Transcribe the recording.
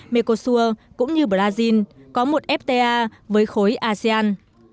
mekosur cũng như brazil có một fta với khối asean